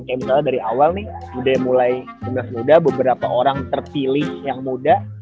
kayak misalnya dari awal nih udah mulai generasi muda beberapa orang terpilih yang muda